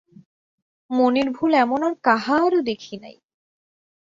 মনের ভুল এমন আর কাহারো দেখি নাই।